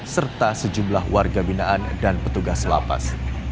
serta sejumlah warga binaan dan petugas lapas